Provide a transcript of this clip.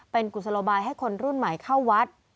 เป็นกุศโลบายให้คนรุ่นใหม่เข้าวัด